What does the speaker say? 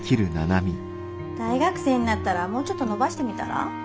大学生になったらもうちょっと伸ばしてみたら？